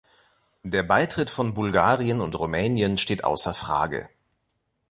Der Beitritt von Bulgarien und Rumänien steht außer Frage.